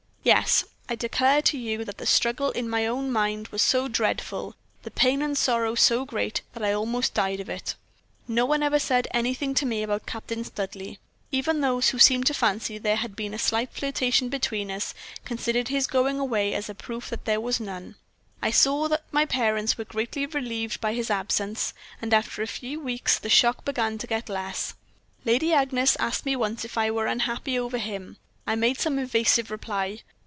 "Yes, I declare to you that the struggle in my own mind was so dreadful, the pain and sorrow so great, that I almost died of it. No one ever said anything to me about Captain Studleigh. Even those who seemed to fancy there had been a slight flirtation between us, considered his going away as a proof that there was none. I saw that my parents were greatly relieved by his absence; and after a few weeks the shock began to get less. Lady Agnes asked me once if I were unhappy over him. I made some evasive reply.